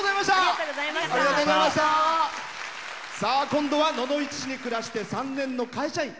今度は野々市市に暮らして３年の会社員。